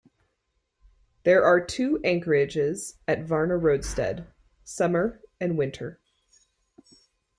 There are two anchorages at Varna roadstead: summer and winter.